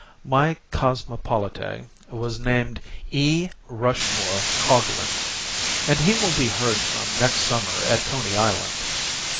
My cosmopolite was named E. Rushmore Coglan, and he will be heard from next summer at Coney Island.